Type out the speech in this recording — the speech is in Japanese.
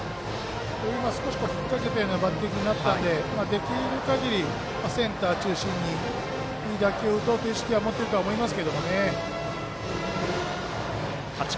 今、少し引っ掛けたようなバッティングになったのでできるかぎりセンター中心に打球を打とうという意識を持っていると思います。